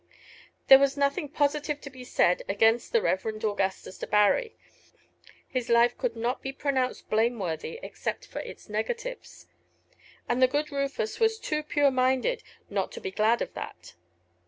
There was nothing positive to be said against the Rev. Augustus Debarry; his life could not be pronounced blameworthy except for its negatives. And the good Rufus was too pure minded not to be glad of that.